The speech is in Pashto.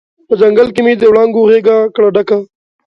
په ځنګل کې مې د وړانګو غیږ کړه ډکه